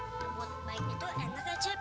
buat baiknya tuh enak ya jep